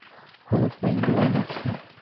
Hello Fred, লাইনে আছো?